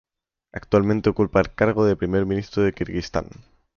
Actualmente ocupa el cargo de Primer Ministro de Kirguistán.